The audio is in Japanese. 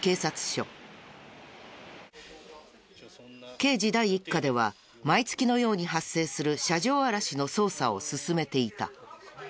刑事第一課では毎月のように発生する車上荒らしの捜査を進めていた。